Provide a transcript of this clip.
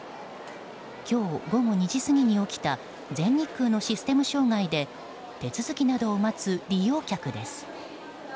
今日午後２時過ぎに起きた全日空のシステム障害で手続きなどを待つ利用客です。